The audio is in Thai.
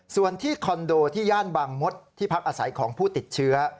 ส่วนที่คอนโดที่ย่านบางมดที่พักอาศัยของผู้ติดเชื้อ